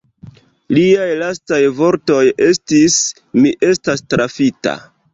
Liaj lastaj vortoj estis: «Mi estas trafita.